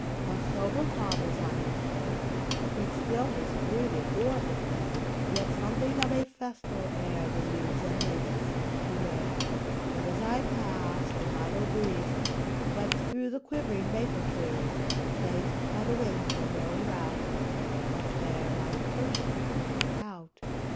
A sober calm was on each face ; Sweet stillness brooded o'er the place ; Yet something of a festal air The youths and maidens seemed to wear. But, as I passed, an idle breeze Swept through the quivering maple trees ; Chased by the winds in merry rout, A fair, light curtain floated out.